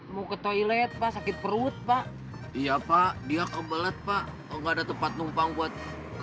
mau ke toilet pak sakit perut pak iya pak dia kebelet pak nggak ada tempat numpang buat